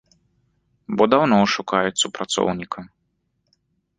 Бо даўно шукаюць супрацоўніка.